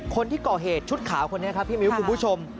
คนที่ก่อเหตุชุดขาวคนนี้ครับพี่มิ้วคุณผู้ชม